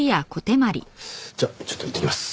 じゃあちょっと行ってきます。